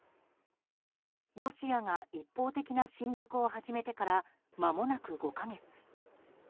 ロシアが一方的な侵略を始めてからまもなく５か月。